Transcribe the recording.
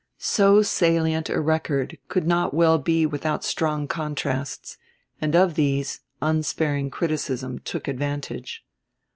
So salient a record could not well be without strong contrasts, and of these unsparing criticism took advantage.